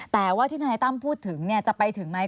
แต่ว่าที่ทนายตั้มพูดถึงจะไปถึงไหม